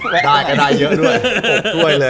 แม่งหนึ่งก็ได้เยอะด้วย๖ถ้วยเลย